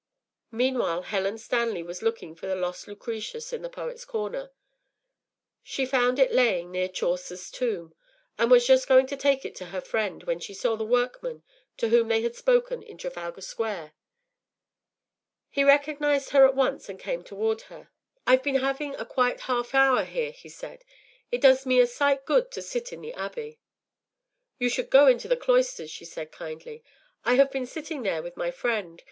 Meanwhile Helen Stanley was looking for the lost Lucretius in the Poets’ Corner. She found it laying near Chaucer’s tomb, and was just going to take it to her friend when she saw the workman to whom they had spoken in Trafalgar Square. He recognised her at once, and came toward her. “I’ve been having a quiet half hour here,” he said. “It does me a sight of good to sit in the abbey.” “You should go into the cloisters,” she said, kindly. “I have been sitting there with my friend.